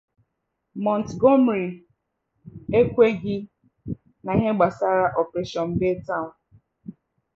Montgomery was strongly opposed to Operation Baytown.